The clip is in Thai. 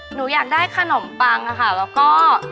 หนูอยากได้ขนมปังค่ะแล้วก็